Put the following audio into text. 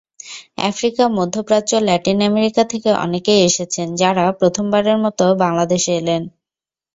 Africa, মধ্যপ্রাচ্য, Latin America থেকে অনেকেই এসেছেন, যাঁরা প্রথমবারের মতো বাংলাদেশে এলেন।